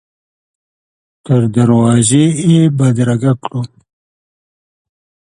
تر دروازې یې بدرګه کړو.